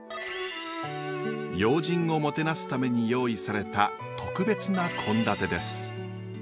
要人をもてなすために用意された特別な献立です。